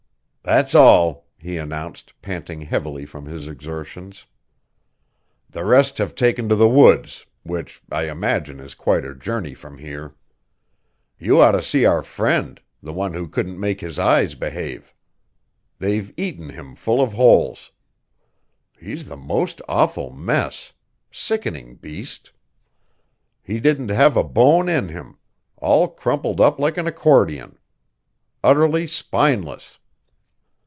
"That's all," he announced, panting heavily from his exertions. "The rest have taken to the woods, which, I imagine, is quite a journey from here. You ought to see our friend the one who couldn't make his eyes behave. They've eaten him full of holes. He's the most awful mess sickening beast. He didn't have a bone in him all crumpled up like an accordion. Utterly spineless."